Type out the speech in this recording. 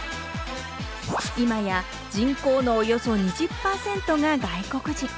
今や人口のおよそ２０％が外国人。